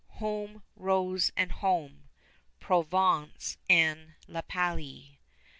Home, Rose, and home, Provence and La Palie.